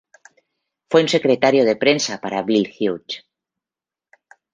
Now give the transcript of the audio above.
Fue un secretario de prensa para Billy Hughes.